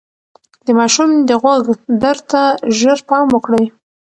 د ماشوم د غوږ درد ته ژر پام وکړئ.